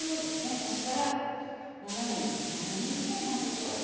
端から斜めに７ｍｍくらいの幅でしょうかね。